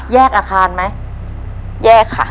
อาคารไหมแยกค่ะ